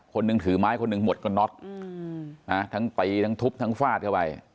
คนนึงถือไม้คนนึงหมดก็น็อตทั้งไปทั้งทุบทั้งฟาดไว้